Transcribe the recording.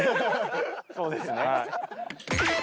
そうですね。